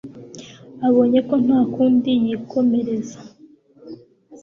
abonye ko ntakundi yikomereza